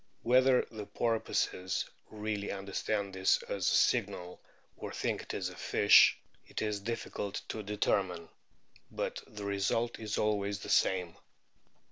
Whether the porpoises really understand this as a signal, or think it is the fish, it is difficult to determine ; but the result is always the same.